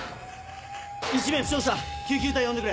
・１名負傷者救急隊を呼んでくれ。